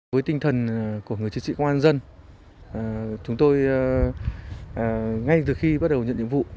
với tinh thần của người chiến sĩ công an dân chúng tôi ngay từ khi bắt đầu nhận nhiệm vụ